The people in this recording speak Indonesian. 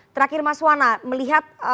terakhir mas wana melihat